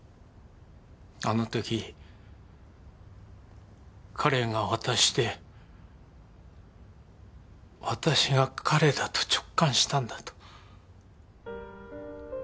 あの時彼が私で私が彼だと直感したんだと。